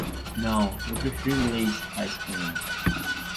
Não, eu prefiro Inglês à Espanhol.